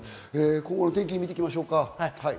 今後の天気、見ていきましょう。